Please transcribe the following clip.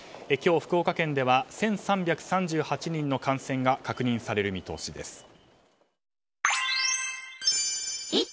今日、福岡県では１３３８人の感染が確認される見通しです。